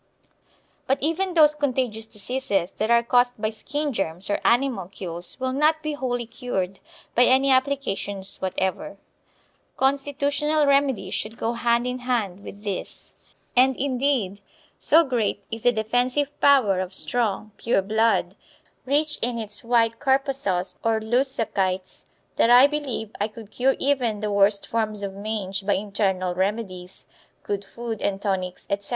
But even those contagious diseases that are caused by skin germs or animalcules will not be wholly cured by any applications whatever. Constitutional remedies should go hand in hand with these. And, indeed, so great is the defensive power of strong, pure blood, rich in its white corpuscles or leucocytes, that I believe I could cure even the worst forms of mange by internal remedies, good food, and tonics, etc.